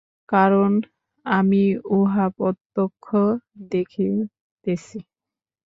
কারণ আমি উহা প্রত্যক্ষ দেখিতেছি।